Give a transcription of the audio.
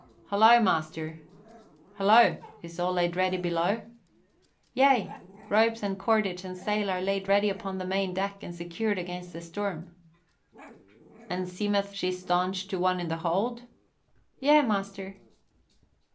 "Holla, master!" "Holla, is all laid ready below?" "Yea! Ropes and cordage and sail are laid ready upon the main deck and secured against the storm." "And seemeth she staunch to one in the hold?" "Yea, master."